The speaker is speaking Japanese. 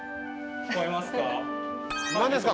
聞こえますか？